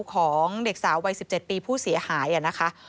ของเด็กสาววัย๑๗ปีผู้เสียหายนะคะ